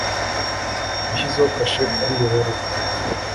Yashyizeho kashe kuri iyo baruwa.